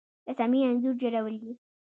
رسامي انځور جوړول دي